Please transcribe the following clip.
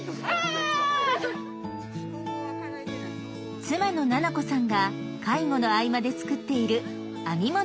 妻の奈々子さんが介護の合間で作っている編み物を販売。